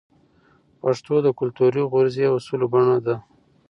پښتو د کلتوري غورزی اصولو بڼه ده.